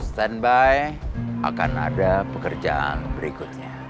stand by akan ada pekerjaan berikutnya